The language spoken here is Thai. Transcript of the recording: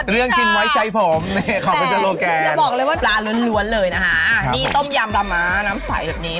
สวัสดีจ้าแข็งอย่าบอกเลยว่าปลาล้วนเลยนะฮะนี่ต้มยำรำมะน้ำใสแบบนี้